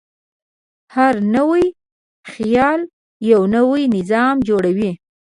هر نوی خیال یو نوی نظم جوړوي.